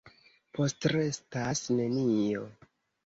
Postrestas nenio.